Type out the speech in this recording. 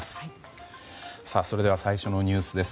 それでは最初のニュースです。